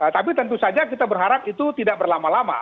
tapi tentu saja kita berharap itu tidak berlama lama